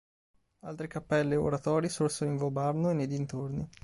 Altre cappelle o oratori sorsero in Vobarno e nei dintorni.